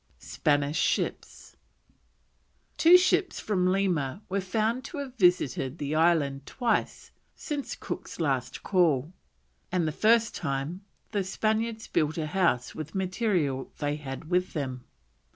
SPANISH SHIPS. Two ships from Lima were found to have visited the island twice since Cook's last call, and the first time the Spaniards built a house with material they had with them.